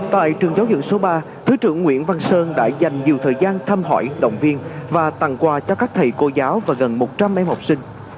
tại trường giáo dưỡng số ba thứ trưởng nguyễn văn sơn đã dành nhiều thời gian thăm hỏi động viên và tặng quà cho các thầy cô giáo và gần một trăm linh em học sinh